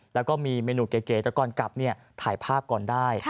แล้วก็มีเมนูเก๋แต่ก่อนกลับถ่ายภาพก่อนได้